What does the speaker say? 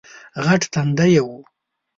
غټ تندی یې وو